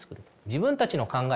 自分たちの考え